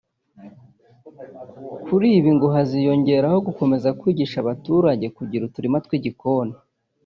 Kuri ibi ngo haziyongeraho gukomeza kwigisha abaturage kugira uturima tw’igikoni